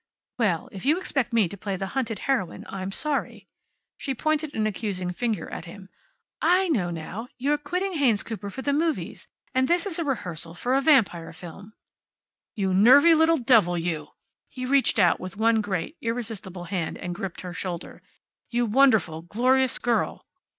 "Well, if you expect me to play the hunted heroine, I'm sorry." She pointed an accusing finger at him. "I know now. You're quitting Haynes Cooper for the movies. And this is a rehearsal for a vampire film." "You nervy little devil, you!" He reached out with one great, irresistible hand and gripped her shoulder. "You wonderful, glorious girl!"